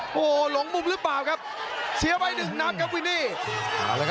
โหหลงบุบหรือเปล่าครับเซียบไว้๑นับกับวินนี่